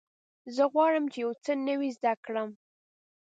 زه غواړم چې یو څه نوی زده کړم.